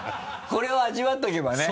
これを味わっておけばね。